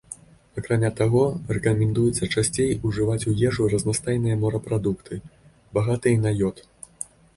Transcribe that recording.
Акрамя таго, рэкамендуецца часцей ужываць у ежу разнастайныя морапрадукты, багатыя на ёд.